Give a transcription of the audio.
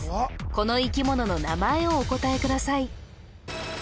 この生き物の名前をお答えください